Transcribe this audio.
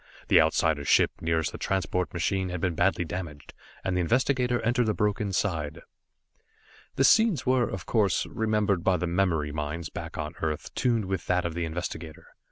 The Outsider's ship nearest the transport machine had been badly damaged, and the investigator entered the broken side. The scenes were, of course, remembered by the memory minds back on Earth tuned with that of the investigator.